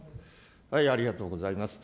ありがとうございます。